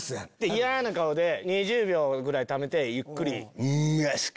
イヤな顔で２０秒ぐらいためてゆっくり。